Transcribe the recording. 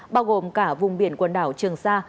bao gồm cả vùng biển quần đảo trường sa